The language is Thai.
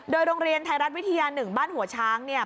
โรงเรียนไทยรัฐวิทยา๑บ้านหัวช้างเนี่ย